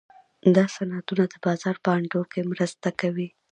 دا صنعتونه د بازار په انډول کې مرسته کوي.